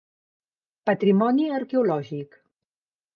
Patrimoni Arqueològic.